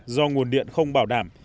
do nguồn điện không bảo đảm